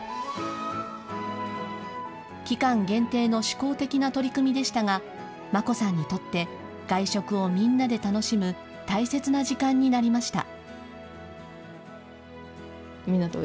期間限定の試行的な取り組みでしたが、真心さんにとって外食をみんなで楽しむ大切な時間になりました。